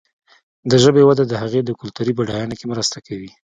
د ژبې وده د هغې د کلتوري بډاینه کې مرسته کوي.